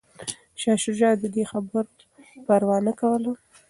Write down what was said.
شاه شجاع د دې خبرې پروا نه کوله.